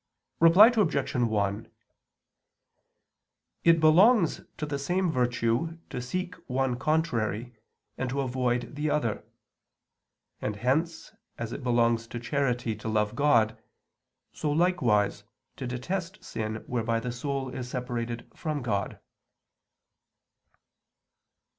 Reply Obj. 1: It belongs to the same virtue to seek one contrary and to avoid the other; and hence, as it belongs to charity to love God, so likewise, to detest sin whereby the soul is separated from God.